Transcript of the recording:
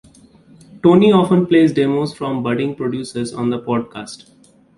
Tony often plays demos from budding producers on the podcast.